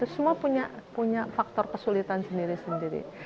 semua punya faktor kesulitan sendiri sendiri